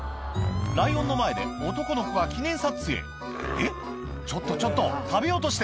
ライオンの前で男の子が記念撮影えっちょっとちょっと食べようとしてる？